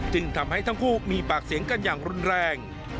ทำให้ทั้งคู่มีปากเสียงกันอย่างรุนแรง